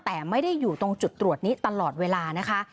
แต่ไม่ได้อยู่ตรงจุดตรวจนี้ตลอดเวลานะคะ